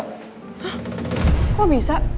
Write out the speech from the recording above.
hah kok bisa